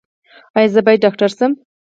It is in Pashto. ایا زه باید ډاکټر شم؟